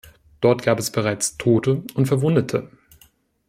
Dort gab es bereits Tote und Verwundete.